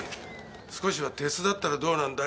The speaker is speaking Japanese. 少しは手伝ったらどうなんだよ！